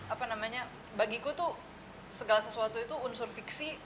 apa namanya bagiku tuh segala sesuatu itu unsur fiksi